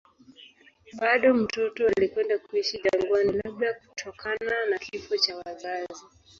Bado mtoto alikwenda kuishi jangwani, labda kutokana na kifo cha wazazi.